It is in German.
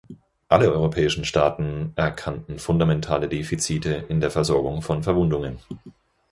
Alle europäischen Staaten erkannten fundamentale Defizite in der Versorgung von Verwundungen.